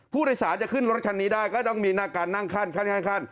พูดอาศาสน์จะขึ้นรถคันนี้ได้ให้ด้วยก็ต้องมีหน้าการขั้นขั้น